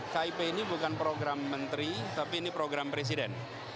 kip ini bukan program menteri tapi ini program presiden